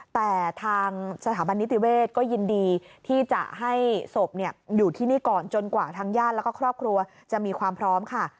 แต่ทางสถาบันนิติเวศก็ยินดีที่จะให้ศพอยู่ที่นี่ก่อนจนกว่าทางญาติแล้วก็ครอบครัวจะมีความพร้อมค่ะ